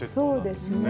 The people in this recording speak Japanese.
そうですね。